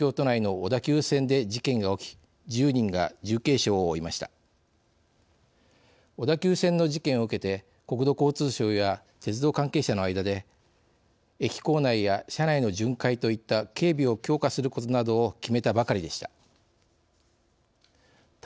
小田急線の事件を受けて国土交通省や鉄道関係者の間で駅構内や車内の巡回といった警備を強化することなどを決めたばかりでした。